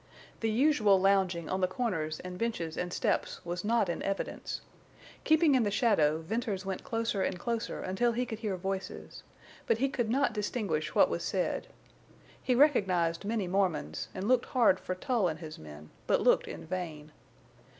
The usual lounging on the corners and benches and steps was not in evidence. Keeping in the shadow Venters went closer and closer until he could hear voices. But he could not distinguish what was said. He recognized many Mormons, and looked hard for Tull and his men, but looked in vain.